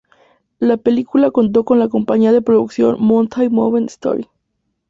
La película contó con la compañía de producción "Mountain Movement Story".